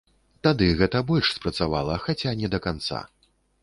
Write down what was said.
Тады гэта больш спрацавала, хаця не да канца.